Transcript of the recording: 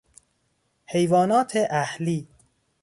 حیوانات اهلی